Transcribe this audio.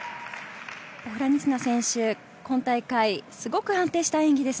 ポフラニチナ選手、今大会、すごく安定した演技です